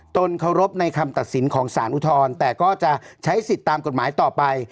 เคารพในคำตัดสินของสารอุทธรณ์แต่ก็จะใช้สิทธิ์ตามกฎหมายต่อไป